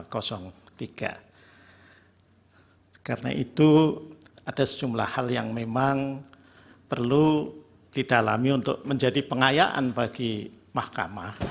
karena itu ada sejumlah hal yang memang perlu didalami untuk menjadi pengayaan bagi mahkamah